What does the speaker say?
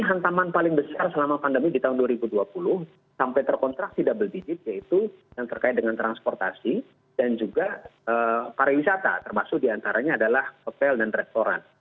hantaman paling besar selama pandemi di tahun dua ribu dua puluh sampai terkontraksi double digit yaitu yang terkait dengan transportasi dan juga pariwisata termasuk diantaranya adalah hotel dan restoran